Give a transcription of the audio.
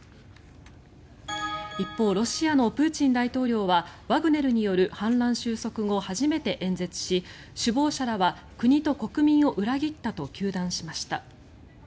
一方、ロシアのプーチン大統領はワグネルによる反乱収束後初めて演説し首謀者らは国と国民を裏切ったと糾弾しました。